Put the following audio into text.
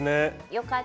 よかった。